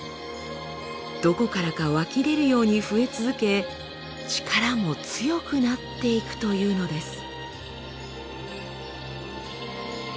どこからか湧き出るように増え続け力も強くなっていくというのです。